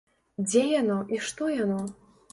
Дзе яно і што яно?